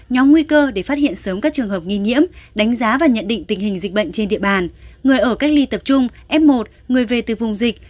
nhóm nguy cơ để phát hiện sớm các trường hợp nghi nhiễm đánh giá và nhận định tình hình dịch bệnh trên địa bàn người ở cách ly tập trung f một người về từ vùng dịch